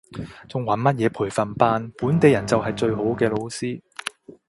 仲揾乜嘢培訓班，本地人就係最好嘅老師